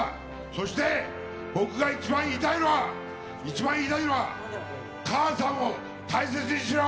そして、僕が一番言いたいのは一番言いたいのは母さんを大切にしろ！